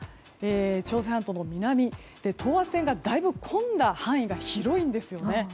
朝鮮半島の南で等圧線がだいぶ混んだ範囲が広いんですね。